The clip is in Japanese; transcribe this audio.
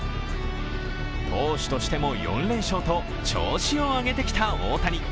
投手としても４連勝と、調子を上げてきた大谷。